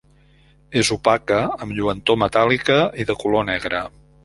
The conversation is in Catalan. És opaca, amb lluentor metàl·lica i de color negre.